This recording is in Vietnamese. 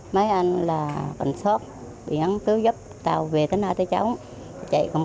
mấy anh là bệnh sốt bị hắn cứu giúp tàu về tới nơi tới chống